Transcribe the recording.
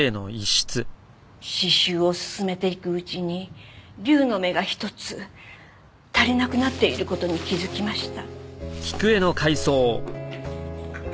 刺繍を進めていくうちに龍の目が１つ足りなくなっている事に気付きました。